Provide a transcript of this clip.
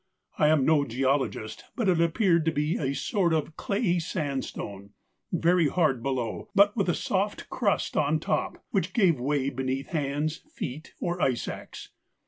I am no geologist, but it appeared to be a sort of clayey sandstone, very hard below, but with a soft crust on top, which gave way beneath hands, feet, or ice axe.